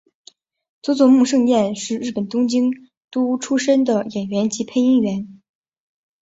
佐佐木胜彦是日本东京都出身的演员及配音员。